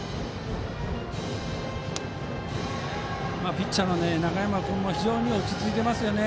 ピッチャーの中山君も非常に落ち着いていますね。